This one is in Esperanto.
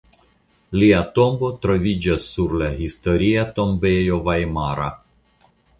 Lia tombo troviĝas sur la Historia tombejo vajmara.